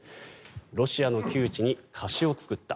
ロシアの窮地に貸しを作った。